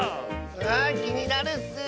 あきになるッス。